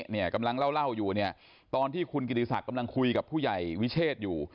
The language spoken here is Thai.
เนี่ยกำลังเล่าอยู่เนี่ยตอนที่คุณกิติศักดิ์กำลังคุยกับผู้ใหญ่วิเชษอยู่